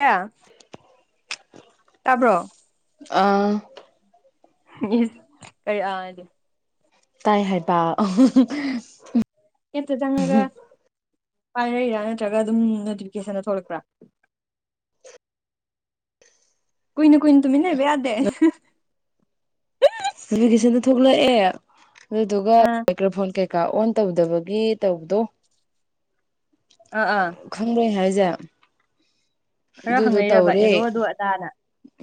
ꯀ [inaudible] [inaudible] ꯇꯥꯕ꯭ꯔꯣ ꯑꯥ ꯀꯦ [inaudible] ꯇꯥꯏ ꯍꯥꯏꯕ ꯍꯦꯛꯇ ꯆꯪꯉꯒ ꯄꯥꯏꯔꯛꯏꯔꯥ ꯅꯠꯇ꯭ꯔꯒ ꯑꯗꯨꯝ ꯅꯣꯇꯤꯐꯤꯀꯦꯁꯟ ꯊꯣꯛꯂꯛꯄ꯭ꯔꯥ ꯀꯣꯏꯅ ꯀꯨꯏꯅ ꯇꯨꯃꯤꯟ ꯂꯩꯕ ꯌꯥꯗꯦ ꯅꯣꯇꯤꯐꯤꯀꯦꯁꯟꯗ ꯊꯣꯛꯂꯛꯑꯦ ꯑꯗꯨꯗꯨꯒ ꯑꯥ ꯑꯀ꯭ꯔ ꯐꯣꯟ ꯀꯩꯀꯥ ꯑꯣꯟ ꯇꯧꯗꯕꯒꯤ ꯇꯧꯕꯗꯣ ꯑ ꯑꯥ ꯈꯪꯕꯔꯥ ꯑꯩꯅ ꯍꯥꯏꯁꯦ ꯈꯔ ꯑꯗꯨꯗꯣ ꯍꯪꯅꯩꯔꯕ ꯇꯧꯔꯦ ꯑꯦꯂꯣ ꯑꯗꯨ ꯑꯗꯥꯅ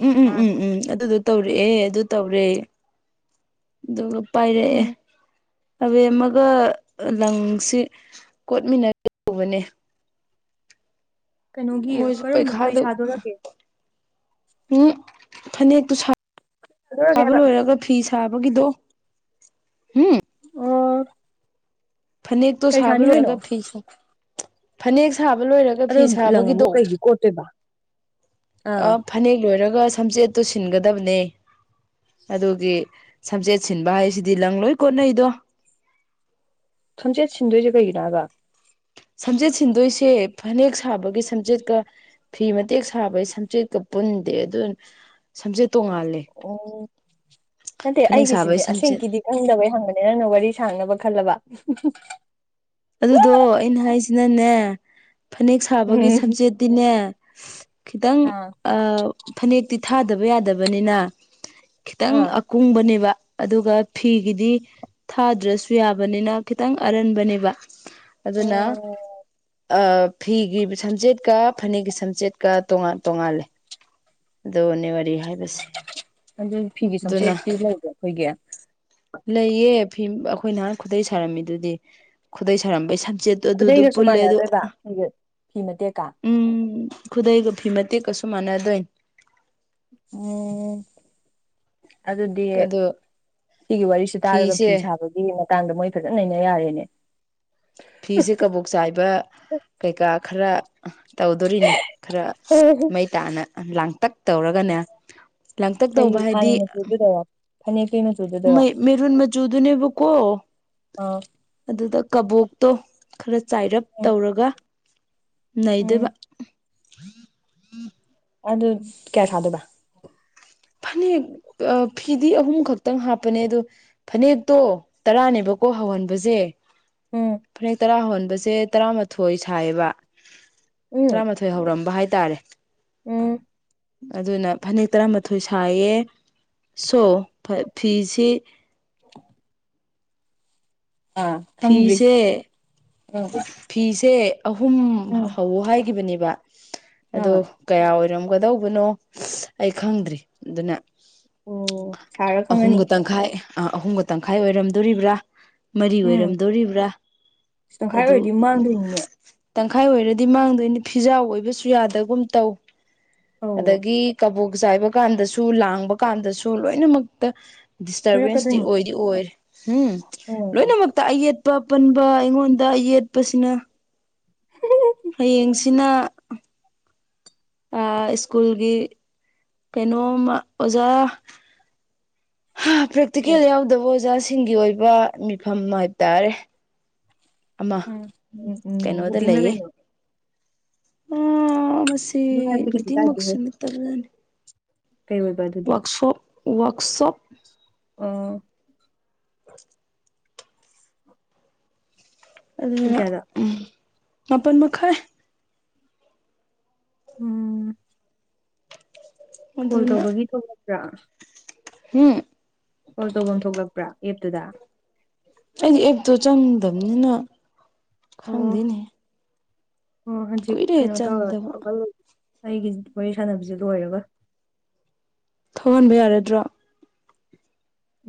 ꯎꯝ ꯎꯝ ꯑꯥ ꯎꯝ ꯎꯝ ꯑꯗꯨꯗ ꯇꯧꯔꯛꯑꯦ ꯑꯗꯨ ꯇꯧꯔꯦ ꯑꯗꯨꯒ ꯄꯥꯏꯔꯛꯑꯦ ꯎꯝ ꯑꯕꯦꯝꯃꯒ ꯂꯪꯁꯤ ꯀꯣꯠꯃꯤꯟꯅꯒꯦ ꯇꯧꯕꯅꯦ ꯀꯩꯅꯣꯒꯤ ꯃꯣꯏꯁꯨ ꯀꯔꯝꯕ ꯀꯩ ꯄꯩꯈꯥꯗꯨ ꯁꯥꯗꯣꯔꯒꯦ ꯎꯝ ꯐꯅꯦꯛꯇꯨ ꯁꯥꯗꯣꯔꯒꯦ ꯁꯥꯕ ꯍꯥꯏꯕ ꯂꯣꯏꯔꯒ ꯐꯤ ꯁꯥꯕꯒꯤꯗꯣ ꯎꯝ ꯑꯣ ꯐꯅꯦꯛꯇꯣ ꯀꯩ ꯁꯥꯕ ꯁꯥꯅꯤ ꯍꯥꯏꯅꯣ ꯂꯣꯏꯔꯒ ꯐꯤꯁ ꯐꯅꯦꯛ ꯁꯥꯕ ꯂꯣꯏꯔꯒ ꯑꯗꯣ ꯐꯤ ꯂꯪ ꯑꯃꯨꯛ ꯁꯥꯕꯒꯤꯗꯣ ꯀꯩꯒꯤ ꯀꯣꯠꯇꯣꯏꯕ ꯑꯥ ꯑꯧ ꯐꯅꯦꯛ ꯂꯣꯏꯔꯒ ꯁꯝꯆꯦꯠꯇꯨ ꯁꯤꯟꯒꯗꯕꯅꯦ ꯑꯗꯨꯒꯤ ꯁꯝꯆꯦꯠ ꯁꯤꯟꯕ ꯍꯥꯏꯁꯤꯗꯤ ꯂꯪ ꯂꯣꯏ ꯀꯣꯠꯅꯩꯗꯣ ꯊꯣꯟꯆꯦꯠ ꯁꯤꯟꯗꯣꯏꯁꯦ ꯀꯩꯒꯤꯅꯣꯕ ꯁꯝꯆꯦꯠ ꯁꯤꯟꯗꯣꯏꯁꯦ ꯐꯅꯦꯛ ꯁꯥꯕꯒꯤ ꯁꯝꯆꯦꯠꯀ ꯐꯤ ꯃꯇꯦꯛ ꯁꯥꯕꯩ ꯁꯝꯆꯦꯠꯀ ꯄꯨꯟꯗꯦ ꯑꯗꯨꯅ ꯁꯝꯆꯦꯠ ꯇꯣꯡꯉꯥꯜꯂꯦ ꯑꯣ ꯅꯠꯇꯦ ꯐꯅꯦꯛ ꯁꯥꯕꯩ ꯑꯩꯒꯤꯁꯤꯗꯤ ꯁꯝꯆꯦꯠ ꯑꯁꯦꯡꯒꯤꯗꯤ ꯆꯪꯗꯕꯩ ꯍꯪꯕꯅꯤꯅ ꯋꯥꯔꯤ ꯁꯥꯡꯅꯕ ꯈꯜꯂꯕ ꯑꯗꯨꯗꯣ ꯑꯩꯅ ꯍꯥꯏꯁꯤꯅꯅꯦ ꯐꯅꯦꯛ ꯁꯥꯕꯒꯤ ꯎꯝ ꯁꯝꯆꯦꯠꯇꯤꯅꯦ ꯈꯤꯇꯪ ꯑꯥ ꯐꯅꯦꯛꯇꯤ ꯊꯥꯗꯕ ꯌꯥꯗꯕꯅꯤꯅ ꯈꯤꯇꯪ ꯑꯥ ꯀꯨꯡꯕꯅꯦꯕ ꯑꯗꯨꯒ ꯐꯤꯒꯤꯗꯤ ꯊꯥꯗ꯭ꯔꯁꯨ ꯌꯥꯕꯅꯤꯅ ꯈꯤꯇꯪ ꯑꯔꯟꯕꯅꯦꯕ ꯑꯗꯨꯅ ꯑꯣ ꯐꯤꯒꯤ ꯁꯝꯆꯦꯠꯀ ꯐꯅꯦꯛꯒꯤ ꯁꯝꯆꯦꯠꯀ ꯇꯣꯉꯥꯟ ꯇꯣꯉꯥꯜꯂꯦ ꯗꯨꯅꯦ ꯋꯥꯔꯤ ꯍꯥꯏꯕꯁꯦ ꯑꯗꯨ ꯐꯤꯒꯤ ꯑꯗꯨꯅ ꯆꯝꯆꯦꯠꯤ ꯄꯤꯕ ꯍꯧꯕ [inaudible] ꯑꯩꯈꯣꯏꯒꯤ ꯂꯩꯌꯦ ꯐꯤ ꯑꯩꯈꯣꯏ ꯅꯍꯥꯟ ꯈꯨꯗꯩ ꯁꯥꯔꯝꯃꯤꯗꯨꯗꯤ ꯈꯨꯗꯩ ꯁꯥꯔꯝꯕꯩ ꯁꯝꯆꯦꯠ ꯈꯨꯗꯩꯒꯁꯨ ꯃꯥꯟꯅꯗꯣꯏꯕ ꯐꯤꯒ ꯐꯤ ꯃꯇꯦꯛꯀ ꯎꯝ ꯈꯨꯗꯩꯒ ꯐꯤ ꯃꯇꯦꯛꯀꯁꯨ ꯃꯥꯟꯅꯗꯣꯏꯅꯤ ꯫ ꯎꯝ ꯑꯗꯨꯗꯤ ꯑꯗꯣ ꯁꯤꯒꯤ ꯋꯥꯔꯤꯁꯤ ꯇꯥꯔꯒ ꯐꯤꯁꯦ ꯐꯤ ꯁꯥꯕ ꯁꯤꯒꯤ ꯃꯇꯥꯡꯗ ꯃꯣꯏ ꯐꯖꯟ ꯅꯩꯅ ꯌꯥꯔꯦꯅꯦ ꯐꯤꯁꯦ ꯀꯕꯣꯛ ꯆꯥꯏꯕ ꯀꯩꯀꯥ ꯈꯔꯥ [unintelligible] ꯇꯧꯗꯣꯔꯤꯅꯦ ꯈꯔꯥ [unintelligible] ꯃꯩ ꯇꯥꯅ ꯂꯥꯡꯇꯛ ꯇꯧꯔꯒꯅꯦ ꯂꯥꯡꯇꯛ ꯇꯧꯕ ꯍꯥꯏꯗꯤ [unintelligible] ꯐꯅ‌ꯦꯛꯇꯤ ꯑꯩꯅ ꯃ‌ꯩ ꯃꯦꯔꯨꯟ ꯃꯆꯨꯗꯨꯅꯦꯕꯀꯣ ꯑꯧ ꯑꯗꯨꯗ ꯀꯕꯣꯛꯇꯣ ꯈꯔ ꯆꯥꯏꯔꯞ ꯎꯝ ꯇꯧꯔꯒ ꯎꯝ ꯅꯩꯗ‌ꯣꯏꯕ꯫ ꯑꯗꯨ ꯀ꯭ꯌꯥ ꯁꯥꯥꯗꯣꯏꯕ? ꯐꯥꯅꯦꯛ ꯑꯥ ꯐꯤꯗꯤ ꯑꯍꯨꯝ ꯈꯛꯇꯪ ꯍꯥꯞꯄꯅꯦ ꯑꯗꯣ ꯐꯥꯅꯦꯛꯇꯣ ꯇꯔꯥꯅꯦꯕꯀꯣ ꯍꯧꯍꯟꯕꯖ‌ꯦ ꯎꯝ ꯐꯅꯦꯛ ꯇꯔꯥ ꯍꯧꯍꯟꯕꯁꯦ ꯇꯔꯥꯃꯥꯊꯣꯏ ꯁꯥꯏꯌꯦꯕ꯫ ꯎꯝ ꯇꯔꯥꯃꯥꯊꯣꯏ ꯍꯧꯔꯝꯕ ꯍꯥꯏꯇꯥꯔꯦ ꯎꯝ ꯑꯗꯨꯅ ꯐꯅꯦꯛ ꯇꯔꯥꯃꯥꯊꯣꯏ ꯁꯥꯏꯌꯦ ꯁꯣ ꯐꯥ ꯐꯤꯁꯤ [unintelligible] ꯑꯥ ꯈꯪꯗ꯭ꯔꯤ ꯐꯤꯁꯦ ꯑꯥ [unintelligible] ꯐꯤꯁꯦ ꯑꯍꯨꯝ ꯍꯥ ꯍꯧꯋꯣ ꯍꯥꯏꯈꯤꯕꯅꯦꯕ ꯑꯗꯣ ꯑꯥ ꯀꯌꯥ ꯑꯣꯏꯔꯝꯒꯗꯧꯕꯅꯣ [unintelligible] ꯑꯩ ꯈꯪꯗ꯭ꯔꯤ ꯑꯗꯨꯅ ꯑꯣ ꯁꯥꯔ ꯈꯪꯉꯅꯤ ꯑꯍꯨꯝꯒ ꯇꯪꯈꯥꯏ ꯑꯥ ꯑꯍꯨꯝꯒ ꯇꯪꯈꯥꯏ ꯑꯣꯏꯔꯝꯗꯣꯔꯤꯕ꯭ꯔꯥ? ꯃꯔꯤ ꯎꯝ ꯑꯣꯏꯔꯝꯗꯣꯔꯤꯕ꯭ꯔꯥ ꯇꯪꯈꯥꯏ ꯑꯗꯨ ꯑꯣꯏꯔꯗꯤ ꯃꯥꯡꯗꯣꯏꯅꯤꯅꯦ [unintelligible] ꯇꯪꯈꯥꯏ ꯑꯣꯏꯔꯗꯤ ꯃꯥꯡꯗꯣꯏꯅꯤ ꯐꯤꯖꯥꯎ ꯑꯣꯏꯕꯁꯨ ꯌꯥꯗꯒꯨꯝ ꯇꯧ ꯑꯧ ꯑꯗꯒꯤ ꯀꯕꯣꯛ ꯆꯥꯏꯕꯀꯥꯟꯗꯁꯨ, ꯂꯥꯡꯕꯀꯥꯟꯗꯁꯨ ꯂꯣꯏꯅꯃꯛꯇ ꯗꯤꯁꯇꯔꯕꯦꯟꯁꯇꯤ ꯁꯣꯏꯔꯛꯀꯗꯣꯏꯅꯤ ꯑꯣꯏꯗꯤ ꯑꯣꯏꯔꯦ ꯎꯝ ꯑꯣ ꯂꯣꯏꯅꯃꯛꯇ ꯑꯌꯦꯠ ꯄꯥ ꯄꯟꯕ ꯑꯩꯉꯣꯟꯗ ꯌꯦꯠꯄꯥꯁꯤꯅ ꯍꯥꯌꯦꯡꯁ‌꯭ꯤꯗ ꯏꯟꯅꯥ ꯑꯥ ꯏꯁ꯭ꯀꯨꯜꯒꯤ ꯀꯩꯅꯣꯝꯃ ꯑꯣꯖꯥ ꯍꯥ ꯄ꯭ꯔꯥꯛꯇꯤꯀꯦꯜ ꯌꯥꯎꯗꯕ ꯑꯣꯖꯥꯁꯤꯡꯒꯤ ꯑꯣꯏꯕ ꯃꯤꯐꯝꯃꯥ ꯍꯥꯏꯕ ꯇꯥꯔꯦ ꯑꯃꯥ ꯎꯝ ꯎꯝ [inaudible] ꯎꯝ ꯀꯩꯅꯣꯗ ꯃꯤꯇꯤꯡꯂ ꯂꯩꯌꯦ ꯀꯩꯅꯣ ꯃꯥ ꯃꯁꯤ ꯑꯗꯨꯝ ꯍꯥꯏꯕꯗꯤ ꯀꯩꯁꯨ ꯀꯥꯏꯗꯦꯍꯦ ꯃꯤꯇꯤꯡꯃꯛꯁꯨ ꯅꯠꯇꯕꯖꯥꯠꯅꯦ ꯀꯩ ꯑ‌ꯣꯏꯕꯗꯨ ꯋꯛꯁꯣꯞ ꯋꯛꯁꯣꯞ [unintelligible] ꯄꯨꯡ ꯑꯗꯨꯗꯨꯅ ꯀꯌꯥꯗ ꯎꯝ ꯃꯥꯄꯟ ꯃꯈꯥꯏ ꯎꯝ [inaudible] ꯀꯣꯜ ꯇꯧꯕꯒꯤꯗꯣ [inaudible] ꯂꯛꯄ꯭ꯔꯥ? ꯍꯨꯝ ꯀ‌ꯣꯜ ꯇꯧꯐꯝ ꯊꯣꯛꯂꯛꯄ꯭ꯔꯥ ꯑꯦꯞ ꯇꯨꯗꯥ? ꯑꯩꯗꯤ ꯑꯦꯞꯇꯣ ꯆꯪꯗꯕꯅꯤꯅ ꯑꯣ ꯈꯪꯗꯦꯅꯦ ꯑꯣ ꯍꯟꯆꯤꯛ ꯀꯨꯏꯔꯦ ꯀꯩꯅꯣ ꯇꯧꯔ‌ꯥ ꯆꯪꯗꯕ ꯊꯣꯛꯍꯟ ꯂꯣꯏꯒꯦ ꯑꯩꯒꯤ [inaudible] ꯋꯥꯔꯤ ꯁꯥꯟꯅꯕꯁꯦ ꯂꯣꯏꯔꯒ꯫ ꯊꯣꯛꯍꯟꯕ ꯌꯥꯔꯗ꯭ꯔꯣ?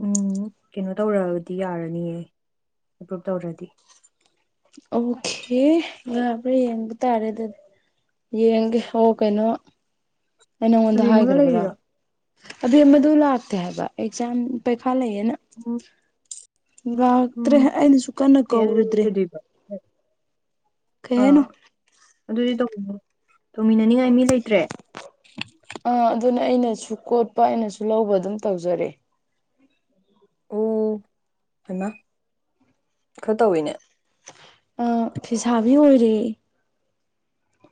ꯎꯝ ꯀꯩꯅꯣ ꯇꯧꯔꯑꯒꯥꯗꯤ ꯌꯥꯔꯅꯤꯌꯦ ꯑꯦꯄ꯭ꯔꯨꯞ ꯇꯧꯗ꯭ꯔꯗꯤ ꯑꯧꯈꯦ ꯌꯥꯕ꯭ꯔ ꯌꯦꯡꯕ ꯇꯥꯔꯦꯗ ꯌꯦꯡꯒꯦ ꯍꯣ ꯀꯩꯅꯣ ꯑꯩ ꯅꯪꯉꯣꯟꯗ ꯔꯦꯝꯃꯒ ꯍꯥꯏꯈ꯭ꯔꯕꯔꯣ ꯂꯩꯔꯤꯔꯣ ꯑꯕꯦꯝꯃꯗꯨ ꯂꯥꯛꯇꯦ ꯍꯥꯏꯕ ꯑꯦꯛꯖꯥꯝ ꯄꯩꯈꯥ ꯂꯩꯌꯦꯅ ꯑꯣ ꯂꯥꯛꯇ꯭ꯔꯦ ꯑꯩꯅꯁꯨ ꯀꯟꯅ ꯑꯦ ꯑꯗꯨ ꯀꯧꯔꯨꯗ꯭ꯔꯦ꯫ ꯀꯩꯗꯣꯏꯕ ꯀꯩ ꯑꯥ ꯍꯥꯏꯅꯣ ꯑꯗꯨꯗꯤ ꯇꯧꯕ ꯇꯧꯃꯤꯟꯅꯅꯤꯡꯉꯥꯏ ꯃꯤ ꯂꯩꯇ꯭ꯔꯦ ꯑꯥ ꯑꯗꯨꯅ ꯑꯩꯅꯁꯨ ꯀꯣꯠꯄ ꯑꯩꯅꯁꯨ ꯂꯧꯕ ꯑꯗꯨꯝ ꯇꯧꯖꯔꯦ ꯑꯣ ꯍꯥꯏꯃ ꯈꯔ ꯇꯧꯋꯤꯅꯦ ꯑ ꯐꯤꯁꯥꯕꯤ ꯑꯣꯏꯔꯦ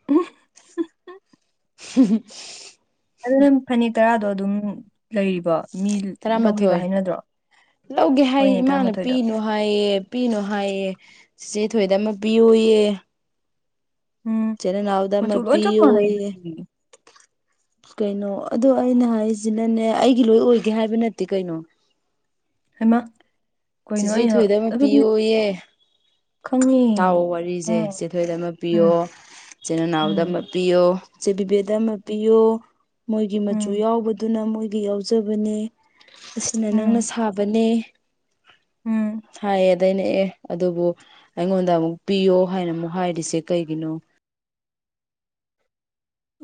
[unintelligible] ꯎꯝ ꯑꯗꯨꯝ ꯐꯅꯤꯛ ꯇꯔꯥꯗꯣ ꯑꯗꯨꯝ ꯂꯩꯔꯤꯕ ꯃꯤ ꯂꯧꯒꯦꯒ ꯇꯔꯥꯃꯥꯊꯣꯏ ꯍꯥꯏꯅꯗ꯭ꯔꯣ ꯂꯧꯒꯦ ꯍꯥꯏꯌꯦ ꯍꯣꯏꯅꯦ ꯏꯃꯥꯅ ꯇꯔꯥꯃꯥꯊꯣꯏꯗ ꯄꯤꯅꯨ ꯍꯥꯏꯌꯦ ꯄꯤꯅꯨ ꯍꯥꯏꯌꯦ ꯁꯤꯆꯦ ꯊꯣꯏꯗꯃꯛ ꯄꯤꯌꯨꯌꯦ ꯎꯝ ꯆꯅ ꯅꯅꯥꯎꯗꯥ ꯃ ꯃꯆꯨ ꯂꯣꯏ ꯆꯞ ꯄꯤꯑꯣ ꯃꯥꯟꯅꯩ ꯑꯗꯨꯗꯤ ꯀꯩꯅꯣ ꯑꯗꯣ ꯑꯩꯅ ꯍꯥꯏꯔꯤꯁꯤꯅꯅꯦ ꯑꯩꯒꯤ ꯂꯣꯏ ꯑꯣꯏꯒꯦ ꯍꯥꯏꯕ ꯅꯠꯇꯦ ꯀꯩꯅꯣ ꯍꯩꯃꯥ ꯆꯦꯆꯦ ꯊꯣꯏꯗ ꯑꯃ ꯄꯤꯌꯨꯌꯦ ꯈꯪꯉꯦ ꯇꯥꯎ ꯋꯥꯔꯤꯁꯦ ꯑꯥ ꯆꯦꯊꯣꯏꯗ ꯑꯃ ꯄꯤꯌꯣ ꯎꯝ ꯆꯤꯅꯥꯎꯗ ꯎꯝ ꯑꯃ ꯄꯤꯌꯣ ꯆꯦꯕꯤꯕꯦꯠ ꯑꯃ ꯄꯤꯌꯨ ꯃꯣꯏꯒꯤ ꯃꯆꯨ ꯎꯝ ꯌꯥꯎꯕꯗꯨꯅ ꯃꯣꯏꯒꯤ ꯌꯥꯎꯖꯕꯅꯦ ꯑꯁꯤꯅ ꯅꯪꯅ ꯎꯝ ꯁꯥꯕꯅꯦ ꯎꯝ ꯁꯥꯏꯌꯦ ꯑꯩꯅꯑ ꯑꯗꯨꯕꯨ ꯑꯩꯉꯣꯟꯗ ꯑꯃꯨꯛ ꯄꯤꯌꯣ ꯍꯥꯏꯅ ꯑꯃꯨꯛ ꯍꯥꯏꯔꯤꯁꯦ ꯀꯩꯒꯤꯅꯣ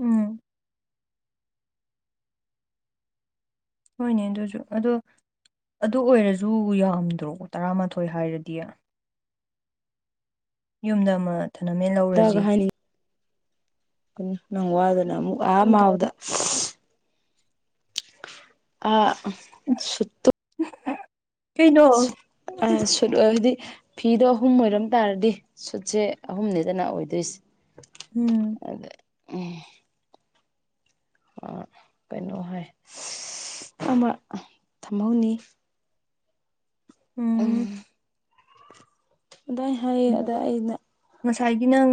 ꯎꯝ ꯍꯣꯏꯅꯦ ꯑꯗꯨꯁꯨ ꯑꯗꯣ ꯑꯗꯨ ꯑꯣꯏꯔꯁꯨ ꯌꯥꯝꯗ꯭ꯔꯣ ꯇꯔꯥꯃꯥꯊꯣꯏ ꯍꯥꯏꯔꯗꯤꯅ ꯌꯨꯝꯗ ꯑꯃ ꯊꯅꯃꯦꯟ ꯗꯒ ꯂꯧꯔꯁꯤ ꯍꯥꯏꯅꯤꯡꯉꯛꯀꯅꯨ ꯅꯪ ꯋꯥꯗꯅ ꯑ ꯃꯥꯎꯗ ꯈꯪꯗ꯭ꯔꯦꯗ ꯑꯁ ꯑ ꯁꯨꯠꯇꯥ ꯀꯩꯅꯣ ꯑ ꯁꯂ ꯍꯥꯏꯗꯤ ꯐꯤꯗꯣ ꯑꯍꯨꯝ ꯑꯣꯏꯔꯝ ꯇꯥꯔꯗꯤ ꯁꯨꯠꯁꯦ ꯑꯍꯨꯝꯅꯦꯗꯅ ꯑꯣꯏꯗꯣꯏꯁꯦ ꯎꯝ ꯑꯗ ꯎꯝ ꯀꯩꯅꯣ ꯍꯥꯏ ꯑꯃ ꯊꯝꯍꯧꯅꯤ ꯎꯝ ꯑꯗꯥꯥꯏ ꯍꯥꯏꯌꯦ ꯑꯗ ꯑꯩꯅ ꯉꯁꯥꯏꯒꯤ ꯅꯪ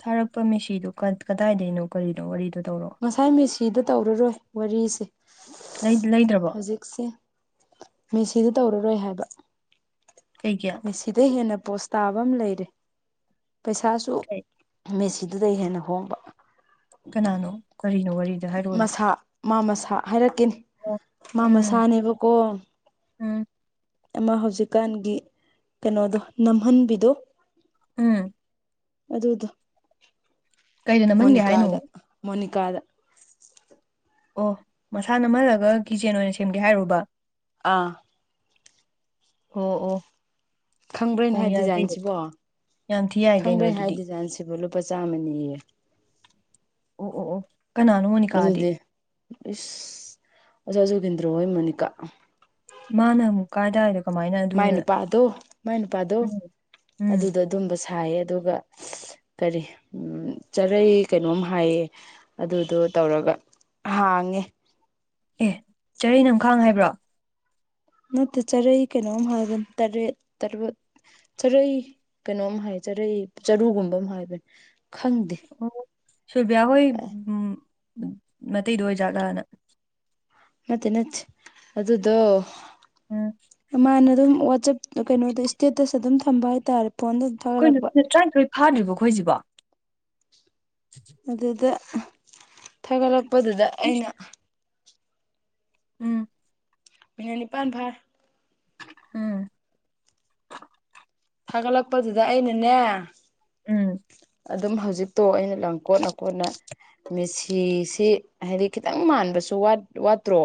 ꯊꯥꯔꯛꯄ ꯃꯦꯁꯤꯗꯣ ꯀꯗꯥꯏꯗꯅꯣ ꯀꯔꯤꯅꯣ ꯋꯥꯔꯤꯗꯣ ꯇꯧꯔꯣ ꯉꯁꯥꯏ ꯃꯦꯁꯤꯗ ꯇꯧꯔꯔꯣꯏ ꯋꯥꯔꯤꯁꯦ ꯂꯩ ꯂꯩꯗ꯭ꯔꯕꯣ ꯍꯧꯖꯤꯛꯁꯦ ꯃꯦꯁꯤꯗ ꯇꯧꯔꯔꯣꯏ ꯍꯥꯏꯕ ꯀꯩꯏꯒꯤ ꯁꯤꯗ ꯍꯦꯟꯅ ꯄꯣꯁ ꯇꯥꯕ ꯑꯃ ꯂꯩꯔꯦ ꯄꯩꯁꯥꯁꯨ ꯀꯩ ꯃꯦꯁꯤ ꯑꯗꯨꯗꯩ ꯍꯦꯟꯅ ꯍꯣꯡꯕ ꯀꯅꯥꯅꯣ ꯀꯔꯤꯅꯣ ꯋꯥꯔꯤꯅꯣ ꯃꯁꯥ ꯃꯥ ꯃꯁꯥ ꯍꯥꯏꯔꯛꯀꯅꯤ ꯑꯣ ꯃꯥ ꯎꯝ ꯃꯁꯥꯅꯦꯕꯀꯣ ꯎꯝ ꯑꯃ ꯍꯧꯖꯤꯛꯀꯥꯟꯒꯤ ꯀꯩꯅꯣꯗꯣ ꯅꯝꯍꯟꯕꯤꯗꯣ ꯎꯝ ꯑꯗꯨꯗ ꯑꯗꯨ ꯀꯩꯗ ꯅꯝꯍꯟꯒꯦ ꯍꯥꯏꯅꯣ ꯃꯣꯅꯤꯀꯗ ꯃꯣꯅꯤꯀꯗ ꯑꯣ ꯃꯁꯥ ꯅꯝꯍꯜꯂꯒ ꯀꯤꯆꯦꯟ ꯑꯣꯏꯅ ꯁꯦꯝꯒꯦ ꯍꯥꯏꯔꯨꯕ ꯑꯥ ꯑꯣ ꯑꯣ ꯈꯪꯕ꯭ꯔꫭ ꯑꯩ ꯑꯣ ꯍꯥꯏ ꯌꯥꯏ ꯀꯩꯅꯣ ꯗꯤꯖꯥꯏꯟꯁꯤꯕꯣ ꯌꯥꯝ ꯊꯤ ꯌꯥꯏ ꯀꯩꯅꯣ ꯈꯪꯕ꯭ꯔꫭ ꯑꯩ ꯍꯥꯏ ꯑꯗꯨꯗꯤ ꯗꯤꯖꯥꯏꯟꯁꯤꯕꫭ ꯂꯨꯄꯥ ꯆꯥꯝꯃꯅꯤꯌꯦ ꯑꯣ ꯑꯣ ꯑꯣ ꯀꯅꯥꯅꯅꯤ ꯑꯗꯨꯗꯤ ꯏꯁ ꯑꫭꯖꯥ ꯖꯨꯒꯤꯟꯗ꯭ꯔꯣ ꯍꯣꯏ ꯃꯣꯅꯤꯀꯥ ꯃꯥꯅꯃꯨ ꯀꯥꯗꯥꯏꯗ ꯃꯥꯏ ꯅꯨꯄꯥꯗꯣ ꯃꯥꯏ ꯅꯨꯄꯥꯗꯣ ꯎꯝ ꯎꯝ ꯑꯗꯨꯗ ꯑꯗꯨꯝꯕ ꯁꯥꯏꯌꯦ ꯑꯗꯨꯒ ꯀꯔꯤ ꯎ ꯆꯔꯩ ꯀꯩꯅꯣꯝ ꯍꯥꯏꯌꯦ ꯑꯗꯨꯗꯣ ꯇꯧꯔꯒ ꯍꯥꯡꯉꯦ ꯑꯦ ꯆꯥꯔꯩ ꯅꯝꯈꯥꯡ ꯍꯥꯏꯕ꯭ꯔꯣ ꯅꯠꯇꯦ ꯆꯔꯩ ꯀꯩꯅꯣꯝ ꯍꯥꯏꯕ ꯇꯔꯦ ꯇꯔ ꯆꯔꯩ ꯀꯩꯅꯣꯝ ꯍꯥꯏ ꯆꯔꯩ ꯆꯔꯨꯒꯨꯝꯕ ꯑꯃ ꯍꯥꯏꯕꯅꯦ ꯑꯣ ꯁꯤꯜꯕꯤꯌꯥ ꯍꯣꯏ ꯎꯝ ꯃꯇꯇꯩꯗꯣ ꯑꯣꯏꯖꯥꯠꯂꯅ ꯅꯠꯇꯦ ꯅꯠ ꯑꯗꯨꯗꯣ ꯎꯝ ꯃꯥꯅ ꯑꯗꯨꯝ ꯋꯥꯆꯞ ꯀꯩꯅꯣꯗ ꯏꯁꯇꯦꯠꯇꯁ ꯑꯗꯨꯝ ꯊꯝꯕ ꯍꯥꯏꯇꯥꯔꯦ ꯐꯣꯟꯗ ꯑꯩꯈꯣꯏ ꯊꯥꯒꯠꯂꯛꯄ ꯅꯨꯄꯤ ꯇꯔꯥꯅꯤꯊꯣꯏ ꯐꯥꯗ꯭ꯔꯤꯕ ꯑꯩꯈꯣꯏꯁꯤꯕꯣ ꯑꯗꯨꯗ ꯊꯥꯒꯠꯂꯛꯄꯗꯨꯗ ꯏꯁ ꯑꯩꯅ ꯎꯝ ꯃꯤꯅꯠ ꯅꯤꯄꯥꯟ ꯐꯔꯦ ꯎꯝ ꯊꯥꯒꯠꯂꯛꯄꯗꯨꯗ ꯑꯩꯅꯅꯦ ꯎꯝ ꯑꯗꯨꯝ ꯍꯧꯖꯤꯛꯇꯣ ꯑꯩꯅ ꯂꯪ ꯀꯣꯠꯅ ꯀꯣꯠꯅ ꯃꯦꯁꯤꯁꯤ ꯍꯥꯏꯗꯤ ꯈꯤꯇꯪ ꯃꯥꯟꯕꯁꯨ ꯋꯥꯠꯇ꯭ꯔꯣ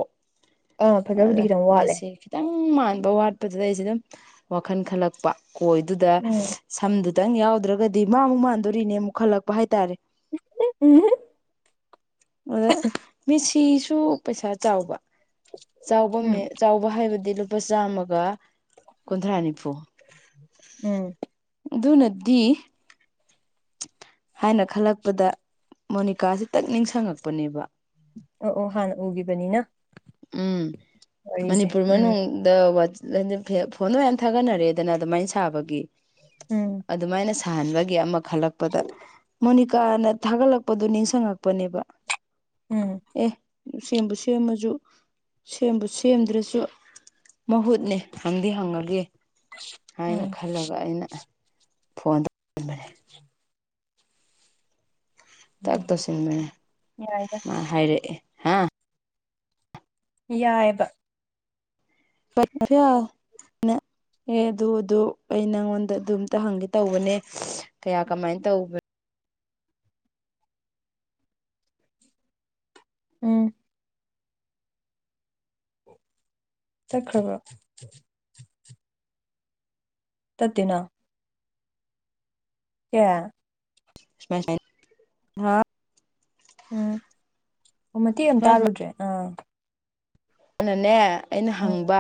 ꯑꯥ ꯐꯖꯕꯨꯗꯤ ꯑꯗ ꯈꯤꯇꯪ ꯋꯥꯠꯂꯦ ꯃꯦꯁꯤ ꯈꯤꯇꯪ ꯃꯥꯟꯕ ꯋꯥꯠꯄꯗꯨꯗ ꯑꯩꯁꯦ ꯑꯗꯨꯝ ꯋꯥꯈꯜ ꯈꯜꯂꯛꯄ ꯀꯣꯏꯗꯨꯗ ꯎꯝ ꯁꯝꯗꯨ ꯈꯤꯇꯪ ꯌꯥꯎꯗ꯭ꯔꯒꯗꯤ ꯃꯥꯕꯨꯨꯛ ꯃꯥꯟꯗꯣꯔꯤꯅꯦ ꯑꯃꯨꯛ ꯈꯜꯂꯛꯄ ꯍꯥꯏꯇꯥꯔꯦ [unintelligible] ꯑꯗ ꯃꯦꯁꯤꯁꯨ ꯄꯩꯁꯥ ꯆꯥꯎꯕ ꯎꯝ ꯆꯥꯎꯕ ꯋꯥ ꯍꯥꯏꯕꯗꯤ ꯂꯨꯄꯥ ꯆꯥꯝꯃꯒ ꯀꯨꯟꯊ꯭ꯔꯥ ꯅꯤꯐꯨ ꯎꯝ ꯑꯗꯨ ꯅꯗꯤ ꯍꯥꯏꯅ ꯈꯜꯂꯛꯄꯗ ꯃꯣꯅꯤꯀꯥꯥꯁ ꯇꯛ ꯅꯤꯡꯁꯤꯡꯉꯛꯄꯅꯦꯕ ꯑꯣ ꯑꯣ ꯍꯥꯟꯅ ꯎꯒꯤꯕꯅꯤꯅ ꯎꯝ ꯃꯅꯤꯄꯨꯔ ꯎꯝ ꯃꯅꯨꯡ ꯗ ꯐꯣꯟꯗꯣ ꯃꯌꯥꯝ ꯊꯥꯒꯠꯅꯔꯦꯗꯅ ꯑꯗꯨꯃꯥꯏꯅ ꯁꯥꯕꯒꯤ ꯎꯝ ꯑꯗꯨꯃꯥꯏꯅ ꯁꯥꯍꯟꯕꯒꯤ ꯑꯃ ꯈꯜꯂꯛꯄꯗ ꯃꯣꯅꯤꯀꯥꯅ ꯊꯥꯒꯠꯂꯛꯄꯗꯨ ꯅꯤꯡꯁꯤꯡꯉꯛꯄꯅꯦꯕ ꯎꯝ ꯑꯦ ꯁꯦꯝꯕ ꯁꯦꯝꯃꯁꯨ ꯁꯦꯝꯕꯨ ꯁꯦꯝꯗ꯭ꯔꯁꯨ ꯃꯍꯨꯠꯅꯦ ꯍꯪꯗꯤ ꯍꯪꯉꯒꯦ ꯍꯥꯏꯅ ꯎꯝ ꯈꯜꯂꯒ ꯑꯩꯅ ꯐꯣꯟ ꯇꯧ ꯎꯝꯃꯔ‌ꯦꯠ ꯇꯥꯛ ꯇꯧꯁꯤꯟꯗꯨꯅꯦ ꯌꯥꯏꯗ ꯃꯥ ꯍꯥꯏꯔꯛꯑꯦ ꯍꯥ ꯌꯥꯏꯕ [unintelligible] ꯑꯦ ꯑꯗꯨ ꯑꯗꯨ ꯑꯩ ꯅꯪꯉꯣꯟꯗ ꯑꯗꯨꯝꯇ ꯍꯪꯒꯦ ꯇꯧꯕꯅꯦ ꯀꯌꯥ ꯀꯃꯥꯏꯅ ꯇꯧꯕꯅꯣ ꯎꯝ ꯇꯠꯈ꯭ꯔꯕ ꯇꯠꯇꯦꯅ [unintelligible] [unintelligible] ꯎꯝ ꯑꯣ ꯃꯇꯦꯛ ꯑꯃ ꯁꯨꯃꯥꯏ ꯇꯥꯔꯨꯗ꯭ꯔꯦ ꯑꯥ ꯃꯥꯅꯅꯦ ꯑꯩꯅ ꯎꯝ ꯍꯪꯕ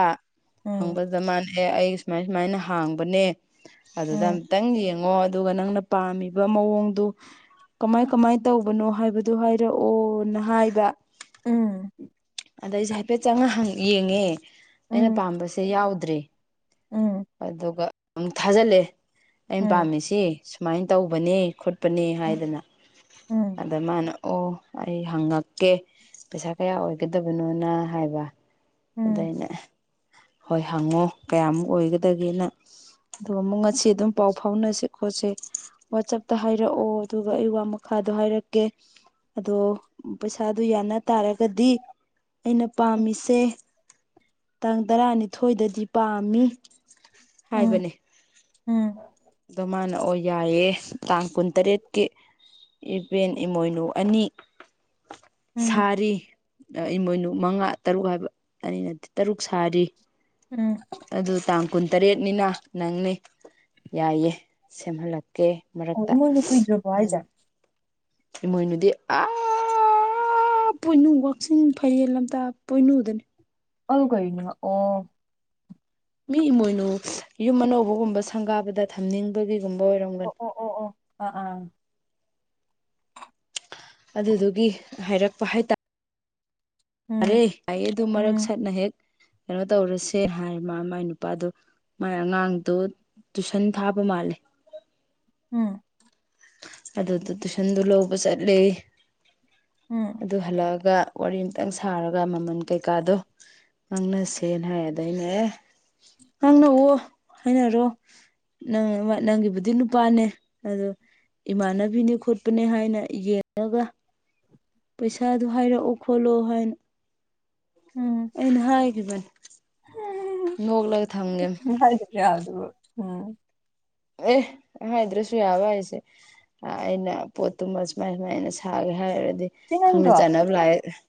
ꯎꯝ ꯍꯪꯕꯗ ꯃꯥꯅ ꯑꯩ ꯁꯨꯃꯥꯏ ꯁꯨꯃꯥꯏꯅ ꯍꯥꯡꯕꯅꯦ ꯑꯗꯨꯗ ꯎꯝ ꯑꯝꯇꯪ ꯌꯦꯡꯉꯣ ꯑꯗꯨꯒ ꯅꯪꯅ ꯄꯥꯝꯃꯤꯕ ꯃꯑꯣꯡꯗꯨ ꯀꯃꯥꯏ ꯀꯃꯥꯏ ꯇꯧꯕꯅꯣ ꯍꯥꯏꯕꯗꯨ ꯍꯥꯏꯔꯛꯑꯣꯅ ꯍꯥꯏꯕ ꯎꯝ ꯑꯗ ꯑꯩꯁꯦ ꯍꯥꯏꯐꯦꯠ ꯆꯪꯉ ꯌꯦꯡꯉꯦ ꯑꯩꯅ ꯎꯝ ꯄꯥꯝꯕꯁꯦ ꯌꯥꯎꯗ꯭ꯔꯦ ꯎꯝ ꯑꯗꯨꯒ ꯑꯃꯨꯛ ꯊꯥꯖꯜꯂꯛꯑꯦ ꯑꯩꯟ ꯎꯝ ꯄꯥꯝꯃꯤꯁꯦ ꯁꯨꯃꯥꯏ ꯇꯧꯕꯅꯦ ꯈꯣꯠꯄꯅꯦ ꯎꯝ ꯍꯥꯏꯗꯅ ꯎꯝ ꯑꯗ ꯃꯥꯅ ꯑꯣ ꯑꯩ ꯍꯪꯉꯛꯀꯦ ꯄꯩꯁꯥ ꯀꯌꯥ ꯑꯣꯏꯒꯗꯕꯅꯣꯅ ꯍꯥꯏꯕ ꯑꯗꯥ ꯎꯝ ꯑꯩꯅ ꯍꯣꯏ ꯍꯪꯉꯣ ꯀꯌꯥꯃꯨꯛ ꯑꯣꯏꯒꯗꯒꯦꯅ ꯑꯗꯨꯒ ꯑꯃꯨꯛ ꯉꯁꯤ ꯑꯗꯨꯝ ꯄꯥꯎ ꯐꯥꯎꯅꯁꯦ ꯈꯣꯠꯁꯦ ꯋꯥꯆꯞꯇ ꯍꯥꯏꯔꯛꯑꯣ ꯑꯗꯨꯒ ꯑꯩ ꯋꯥ ꯃꯈꯥꯗꯣ ꯍꯥꯏꯔꯛꯀꯦ ꯑꯗꯣ ꯄꯩꯁꯥꯗꯨ ꯌꯥꯅ ꯇꯥꯔꯒꯗꯤ ꯑꯩꯅ ꯄꯥꯝꯃꯤꯁꯦ ꯇꯥꯡ ꯇꯔꯥꯅꯤꯊꯣꯏꯗꯗꯤ ꯄꯥꯝꯃꯤ ꯎꯝ ꯍꯥꯏꯕꯅꯦ ꯎꯝ ꯑꯗꯣ ꯃꯥꯅ ꯑꯣ ꯌꯥꯏꯌꯦ ꯇꯥꯡ ꯀꯨꯟꯇꯔꯦꯠꯀꯤ ꯏꯕꯦꯟ ꯏꯃꯣꯏꯅꯨ ꯑꯅꯤ ꯎꯝ ꯁꯥꯔꯤ ꯑ ꯏꯃꯣꯏꯅꯨ ꯃꯉꯥꯠ ꯇꯔꯨꯛ ꯍꯥꯏꯕ ꯑꯅꯤ ꯅꯠꯇꯦ ꯇꯔꯨꯛ ꯁꯥꯔꯤ ꯎꯝ ꯑꯗꯨ ꯇꯥꯡ ꯀꯨꯟꯇꯔꯦꯠꯅꯤꯅ ꯅꯪꯅꯤ ꯌꯥꯏꯌꯦ ꯁꯦꯝꯍꯜꯂꯛꯀꯦ ꯑꯣ ꯃꯔꯛꯇ ꯏꯃꯣꯏꯅꯨ ꯀꯨꯏꯗ꯭ꯔꯕꯣ ꯅꯪ ꯍꯥꯏꯖꯦ ꯏꯃꯣꯏꯅꯨꯗꯤ ꯑꯥ ꯄꯣꯏꯅꯨ ꯋꯥꯛꯆꯤꯡ ꯐꯥꯏꯔꯦꯡ ꯂꯝꯇꯥ ꯄꯣꯏꯅꯨꯗꯅꯤ ꯑꯗꯨ ꯀꯩꯒꯤꯅꯣ ꯑꯣ ꯃꯤ ꯏꯃꯣꯏꯅꯨ ꯌꯨꯝ ꯑꯅꯧꯕꯒꯨꯝꯕ ꯁꯪꯒꯥꯕꯗ ꯊꯝꯅꯤꯡꯕꯒꯤꯒꯨꯝꯕ ꯑꯣ ꯑꯣꯏꯔꯝꯒꯅꯤ ꯑꯣ ꯑꯣ ꯑꯥ ꯑꯥ ꯑꯗꯨꯗꯨꯒꯤ ꯍꯥꯏꯔꯛꯄ ꯍꯥꯏꯇꯥ ꯑꯔꯦ ꯎꯝ ꯑꯩ ꯑꯗꯨ ꯃꯔꯛ ꯎꯝ ꯁꯠꯅ ꯍꯦꯛ ꯀꯩꯅꯣ ꯇꯧꯔꯁꯦ ꯍꯥꯏ ꯃꯥ ꯃꯥꯏ ꯅꯨꯄꯥꯗꯨ ꯃꯥꯥꯏ ꯑꯉꯥꯡꯗꯨꯠ ꯇꯨꯏꯁꯟ ꯊꯥꯕ ꯃꯥꯜꯂꯤ ꯎꯝ ꯑꯗꯨꯗ ꯇꯨꯏꯁꯟꯗꯨ ꯂꯧꯕ ꯆꯠꯂꯦ ꯎꯝ ꯑꯗꯨ ꯍꯜꯂꯛꯑꯒ ꯋꯥꯔꯤ ꯑꯝꯇꯪ ꯁꯥꯔꯒ ꯃꯃꯟ ꯀꯩꯀꯥꯗꯣ ꯉꯥꯡꯅꯁꯦꯅ ꯍꯥꯏ ꯑꯗꯥ ꯑꯩꯅ ꯍꯦ ꯉꯥꯡꯅꯧꯋꯣ ꯍꯥꯏꯅꯔꯣ ꯅꯪ [unintelligible] ꯅꯪꯒꯤꯕꯨꯗꯤ ꯅꯨꯄꯥꯅꯦ ꯑꯗꯣ ꯏꯃꯥꯟꯅꯕꯤꯅꯦ ꯈꯣꯠꯄꯅꯦ ꯍꯥꯏꯅ ꯌꯦꯡꯉꯒ ꯄꯩꯁꯥꯗꯣ ꯍꯥꯏꯔꯛꯑꯣ ꯈꯣꯠꯂꯣ ꯍꯥꯏꯅ ꯎꯝ ꯑꯩꯅ ꯍꯥꯏꯒꯤꯕꯅꯤ ꯅꯣꯛꯂꯒ ꯊꯝꯒꯤꯝꯅꯤ [unintelligible] ꯎꯝ ꯑꯦ ꯍꯥꯏꯗ꯭ꯔꯁꯨ ꯌꯥꯕ ꯍꯥꯏꯁꯦ ꯑ ꯑꯩꯅ ꯄꯣꯠꯇꯨꯃ ꯁꯨꯃꯥꯏ ꯁꯨꯃꯥꯏꯅ ꯁꯥꯒꯦ ꯍꯥꯏꯔꯗꯤ ꯆꯦ ꯈꯪꯅ ꯅꯪꯗꯣ ꯆꯥꯟꯅꯕ ꯂꯥꯛꯑꯦ